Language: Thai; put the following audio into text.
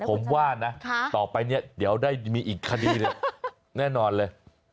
ผมว่ะนะต่อไปนี้เดี๋ยวได้มีอีกคดีแน่นอนเลย